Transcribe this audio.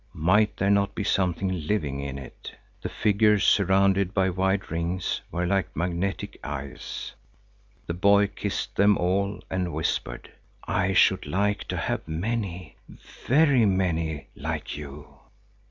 Might there not be something living in it? The figures surrounded by wide rings were like magnetic eyes. The boy kissed them all and whispered: "I should like to have many, very many like you."